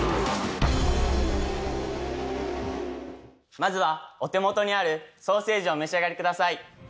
まずはお手元にあるソーセージをお召し上がりください。